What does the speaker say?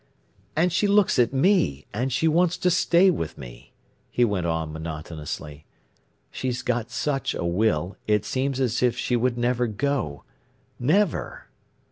"And she looks at me, and she wants to stay with me," he went on monotonously. "She's got such a will, it seems as if she would never go—never!"